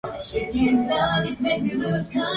Por las calles del mundo".